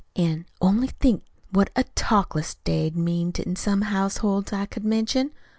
An' only think what a talkless day'd mean in some households I could mention.